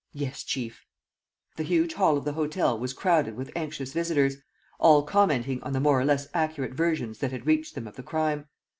"Yes, chief." The huge hall of the hotel was crowded with anxious visitors, all commenting on the more or less accurate versions that had reached them of the crime.